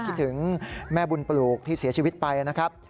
คิดถึงแม่บุญปลูกที่เสียชีวิตไปนะครับ